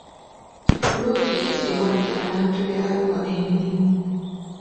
Pulojekiti ewadde abantu be Arua emirimu.